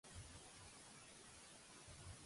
Dilluns en Cesc i en Roc van a Aras de los Olmos.